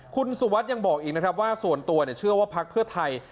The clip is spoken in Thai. คุณสุวัสดิ์ยังบอกอีกนะครับว่าส่วนตัวเชื่อว่าพักเพื่อไทย